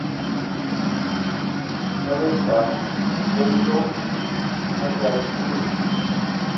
Kada ekan ba log adzal deo.